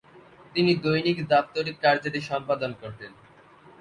তিনি দৈনিক দাপ্তরিক কার্যাদি সম্পাদন করতেন।